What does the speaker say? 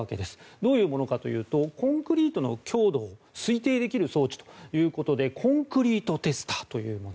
どういうものかというとコンクリートの強度を推定できる装置ということでコンクリートテスターというもの。